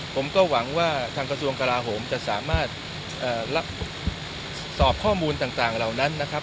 ผมก็หวังว่าทางกระทรวงกลาโหมจะสามารถสอบข้อมูลต่างเหล่านั้นนะครับ